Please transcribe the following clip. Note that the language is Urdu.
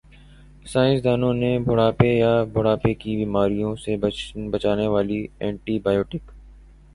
سائنسدانوں نےبڑھاپے یا بڑھاپے کی بیماریوں سے بچانے والی اینٹی بائیوٹک